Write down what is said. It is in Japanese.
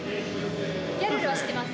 ギャルルは知ってます。